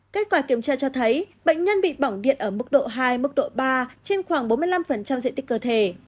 kết quả kiểm tra cho thấy bệnh nhân bị bỏng điện ở mức độ hai mức độ ba trên khoảng bốn mươi năm diện tích cơ thể